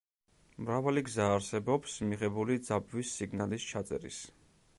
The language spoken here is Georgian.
მრავალი გზა არსებობს მიღებული ძაბვის სიგნალის ჩაწერის.